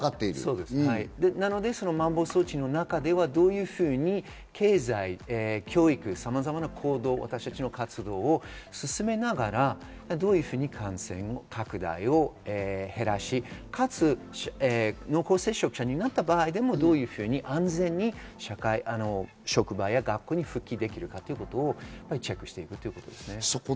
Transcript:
なので、まん防措置の中ではどういうふうに経済、教育、さまざまな行動、私たちの活動を進めながら、どういうふうに感染拡大を減らし、かつ濃厚接触者になった場合でも、どういうふうに安全に職場や学校に復帰できるかということをチェックしていくということです。